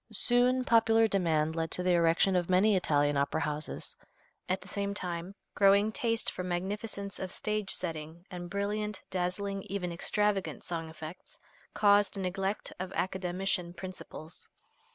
Soon popular demand led to the erection of many Italian opera houses. At the same time growing taste for magnificence of stage setting and brilliant, dazzling, even extravagant song effects, caused neglect of Academician principles.